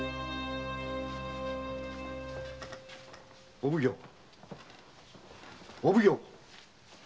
お奉行お奉行。